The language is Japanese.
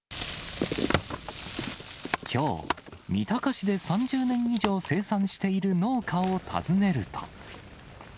きょう、三鷹市で３０年以上生産している農家を訪ねると。